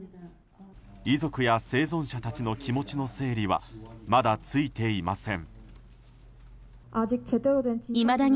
遺族や生存者たちの気持ちの整理は、まだついていません。